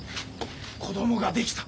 子供ができた。